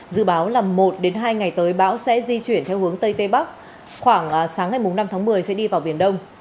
dự báo là một hai ngày tới bão sẽ di chuyển theo hướng tây tây bắc khoảng sáng ngày năm tháng một mươi sẽ đi vào biển đông